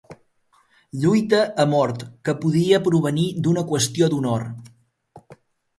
Lluita a mort que podia provenir d'una qüestió d'honor.